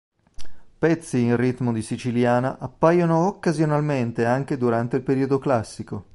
Pezzi in ritmo di siciliana appaiono occasionalmente anche durante il periodo classico.